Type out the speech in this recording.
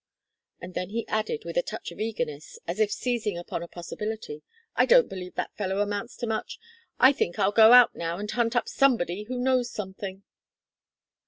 And then he added with a touch of eagerness, as if seizing upon a possibility: "I don't believe that fellow amounts to much. I think I'll go out now and hunt up somebody who knows something."